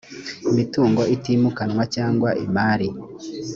mitungo itimukanwa cyangwa imari